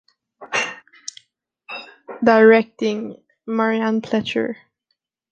Directing: Marianne Pletscher.